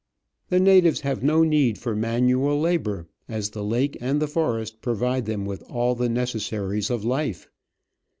The natives have no need for manual labour, as the lake and the forest provide them with all the necessaries of life.